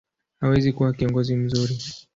hawezi kuwa kiongozi mzuri.